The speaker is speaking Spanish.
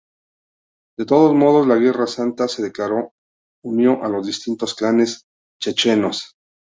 De todos modos, la guerra santa que declaró unió a los distintos clanes chechenos.